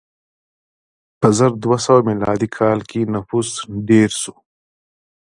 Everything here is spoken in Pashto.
په زر دوه سوه میلادي کال کې نفوس ډېر شو.